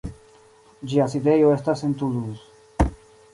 Ĝia sidejo estas en Toulouse.